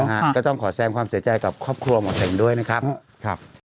นะฮะก็ต้องขอแซมความเสียใจกับครอบครัวหมอเสงด้วยนะครับครับ